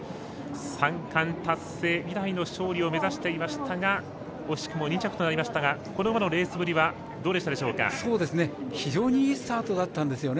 三冠達成以来の勝利を目指していましたが惜しくも２着となりましたがこの馬のレースぶりは非常にいいスタートだったんですよね。